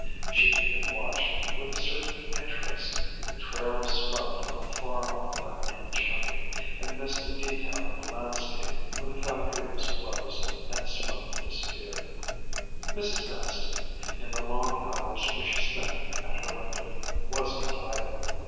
She even watched with a certain interest the trail of smoke from a far off factory chimney, and missed a detail in the landscape when the factory was closed and the smoke disappeared. Mrs. Manstey, in the long hours which she spent at her window, was not idle.